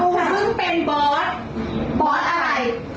เฮ้ยมึงมึงเป็นบอสบอสอะไร